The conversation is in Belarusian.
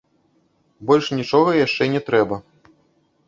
Больш нічога яшчэ не трэба.